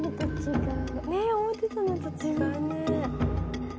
ねっ思ってたのと違うね。